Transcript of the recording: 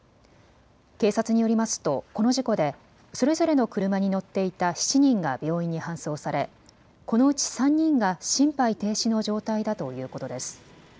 警察によりますとこの事故でそれぞれの車に乗っていた７人が病院に搬送されこのうち３人が心肺停止の状態だということです。